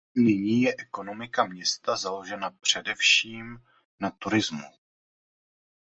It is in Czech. Nyní je ekonomika města založena především na turismu.